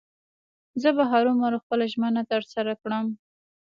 زه به هرو مرو خپله ژمنه تر سره کوم.